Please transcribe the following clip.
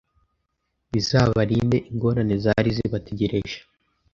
bizabarinde ingorane zari zibategereje.